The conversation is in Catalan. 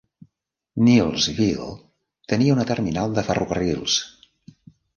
Nielsville tenia una terminal de ferrocarrils.